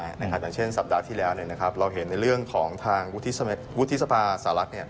อย่างเช่นสัปดาห์ที่แล้วเราเห็นในเรื่องของทางวุฒิสภาสหรัฐ